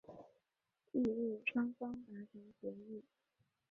翌日双方达成协议。